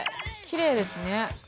きれいですね。